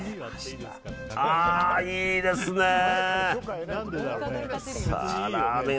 あー、いいですね！